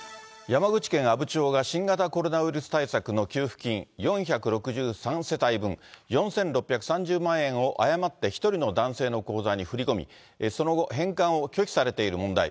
山口県阿武町が新型コロナウイルス対策の給付金４６３世帯分、４６３０万円を、誤って一人の男性の口座に振り込み、その後、返還を拒否されている問題。